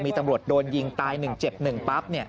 มีตำรวจโดนยิงตาย๑เจ็บ๑ปั๊บ